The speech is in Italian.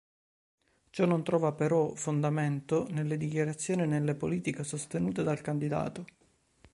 Ciò non trova però fondamento nelle dichiarazioni e nelle politiche sostenute dal candidato.